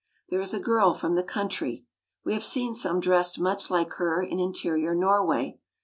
There is a girl from the country. We have seen some dressed much like her in interior Norway.